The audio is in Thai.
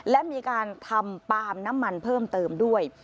และมีการทำปาล์มน้ำมันเพิ่มเติมด้วย